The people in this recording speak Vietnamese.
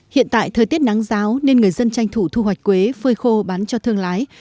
hiện tại thời tiết nắng giáo nên người dân tranh thủ thu hoạch quế phơi khô bán cho thương lái